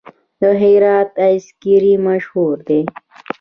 د هرات آیس کریم مشهور دی؟